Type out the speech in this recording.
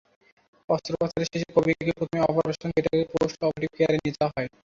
অস্ত্রোপচার শেষে কবিকে প্রথমে অপারেশন থিয়েটারের পোস্ট অপারেটিভ কেয়ারে নিয়ে যাওয়া হয়।